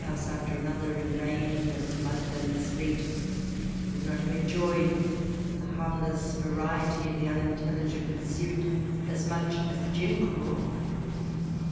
xxi public house after another, in rain, and mud, and sleet, would not have enjoyed the harmless variety of the unintelligent pursuit as much as a gin crawl